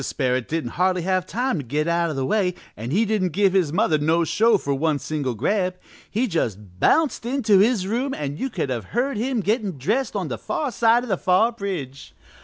Sperrit didn't hardly have time to get out o' the way an' he didn't give his mother no show for one single grab, he just bounced into his room and you could have heard him gettin' dressed on the far side o' the far bridge.